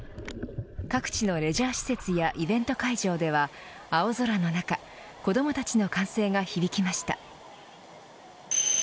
各地のレジャー施設やイベント会場では青空の中、子どもたちの歓声が響きました。